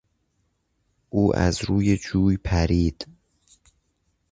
او از روی جوی پرید.